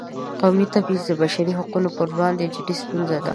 قومي تبعیض د بشري حقونو پر وړاندې جدي ستونزه ده.